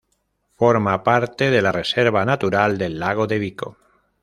Forma parte de la Reserva Natural del Lago de Vico.